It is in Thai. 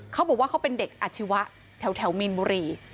เขาบอกว่าเขาเป็นเด็กอาชีวะแถวมีนบุรี